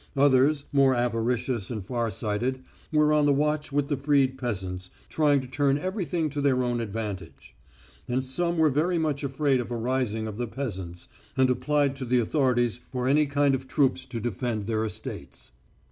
Others, more avaricious and far sighted, were on the watch with the freed peasants, trying to turn everything to their own advantage. And some were very much afraid of a rising of the peasants, and applied to the authorities for any kind of troops to defend their estates.